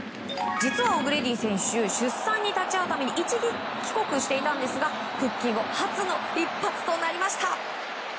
実はオグレディ選手出産に立ち会うために一時帰国していたんですが復帰後初の一発となりました。